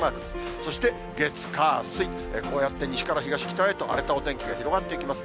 そして月、火、水、こうやって西から東へ、北へと荒れたお天気が広がっていきます。